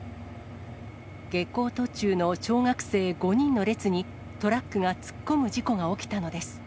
下校途中の小学生５人の列に、トラックが突っ込む事故が起きたのです。